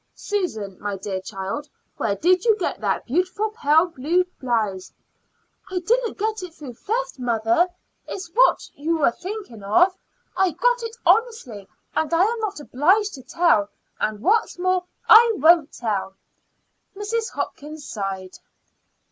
Susan, my dear child, where did you get that beautiful pale blue blouse?" "I didn't get it through theft, mother, if that's what you are thinking of. I got it honestly, and I am not obliged to tell; and what's more, I won't tell." Mrs. Hopkins sighed.